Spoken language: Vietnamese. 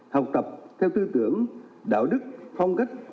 học tập theo tư tưởng đạo đức phong cách